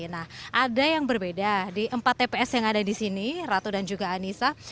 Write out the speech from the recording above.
nah ada yang berbeda di empat tps yang ada di sini ratu dan juga anissa